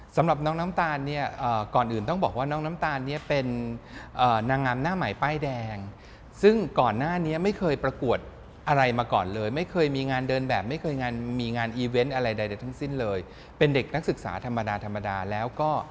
สำหรับน้องน้ำตาลเนี่ยก่อนอื่นต้องบอกว่าน้องน้ำตาลเนี่ยเป็นนางงามหน้าใหม่ป้ายแดงซึ่งก่อนหน้านี้ไม่เคยประกวดอะไรมาก่อนเลยไม่เคยมีงานเดินแบบไม่เคยงานมีงานอีเวนต์อะไรใดทั้งสิ้นเลยเป็นเด็กนักศึกษาธรรมดาธรรมดาแล้วก็